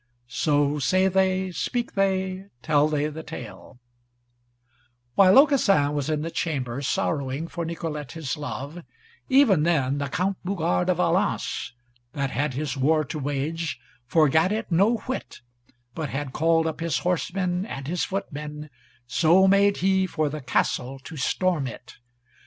So say they, speak they, tell they the Tale: While Aucassin was in the chamber sorrowing for Nicolete his love, even then the Count Bougars de Valence, that had his war to wage, forgat it no whit, but had called up his horsemen and his footmen, so made he for the castle to storm it.